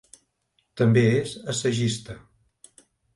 També és assagista.